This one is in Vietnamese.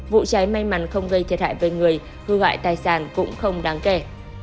vụ cháy may mắn không gây thiệt hại với người hư gại tài sản cũng không đáng kể